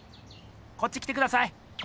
こっち来てください！